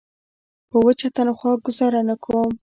په وچه تنخوا ګوزاره نه کوم.